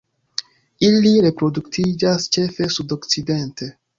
Ili reproduktiĝas ĉefe sudokcidente.